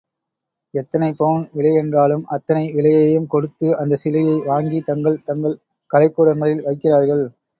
எத்தனை பவுன் விலையென்றாலும் அத்தனை விலையையும் கொடுத்து அந்தச் சிலையை வாங்கி தங்கள் தங்கள் கலைக் கூடங்களில் வைக்கிறார்கள்.